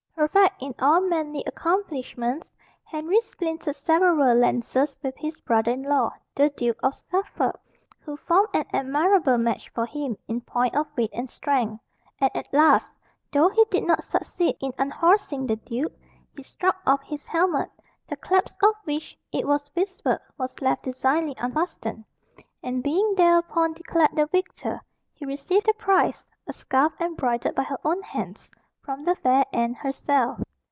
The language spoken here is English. Perfect in all manly accomplishments, Henry splintered several lances with his brother in law, the Duke of Suffolk, who formed an admirable match for him in point of weight and strength; and at last, though he did not succeed in unhorsing the duke, he struck off his helmet, the clasp of which, it was whispered, was left designedly unfastened; and being thereupon declared the victor, he received the prize a scarf embroidered by her own hands from the fair Anne herself.